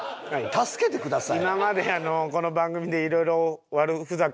「助けてください」？